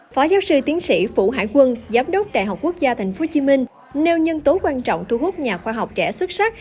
phó giáo sư tiến sĩ vũ hải quân giám đốc đại học quốc gia tp hcm nêu nhân tố quan trọng thu hút nhà khoa học trẻ xuất sắc